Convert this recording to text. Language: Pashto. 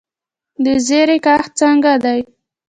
د زیرې کښت څنګه دی؟